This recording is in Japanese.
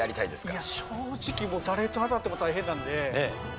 いや正直誰と当たっても大変なんで。